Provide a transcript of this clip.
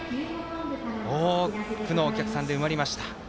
多くのお客さんで埋まりました。